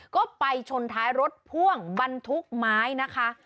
ก็ไปชนท้ายรถพ่วงบรรทุกไม้นะคะ